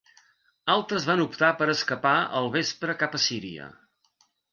Altres van optar per escapar al vespre cap a Síria.